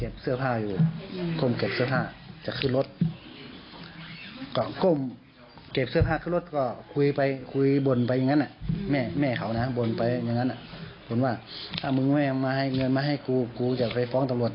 บ่นไปอย่างนั้นแม่เขาน่ะบ่นไปอย่างนั้นบ่นว่าถ้ามึงแม่มาให้เงินมาให้กูกูจะไปฟ้องตำรวจ